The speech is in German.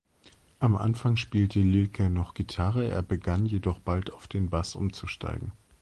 Am Anfang spielte Lilker noch Gitarre, er begann jedoch bald auf den Bass umzusteigen.